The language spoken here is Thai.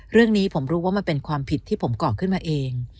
เรื่องนี้ผมรู้ว่ามันเป็นความผิดที่ผมก่อขึ้นมาเอง